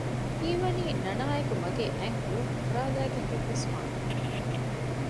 ހީވަނީ ނަނާއެކު މަގޭ އަތް ހުޅުން އުފުރާލައިގެން ގެންގޮސްފާނެ ހެން